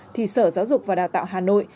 thì sở giáo dục và đào tạo hà nội